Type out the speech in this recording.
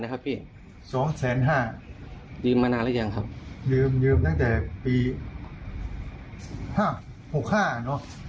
แล้วเคยคิดไหมว่าถ้าเรายิงเราก็ต้องเข้าคลุกครับ